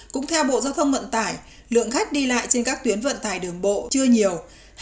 cũng theo bộ giao thông vận tải lượng khách đi lại trên các tuyến vận tải đường bộ chưa nhiều